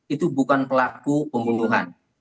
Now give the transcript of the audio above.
itu bukan pelaku pembunuhan